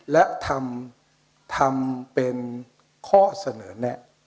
และทำเป็นข้อเสนอแนะ